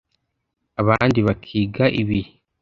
abandi bakiga ibiri